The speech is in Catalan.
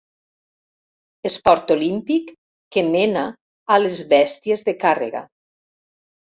Esport olímpic que mena a les bèsties de càrrega.